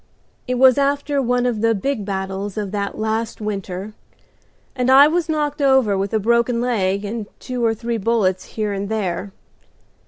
It was after one of the big battles of that last winter, and I was knocked over with a broken leg and two or three bullets here and there.